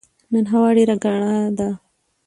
نن هوا ډيره کړه ده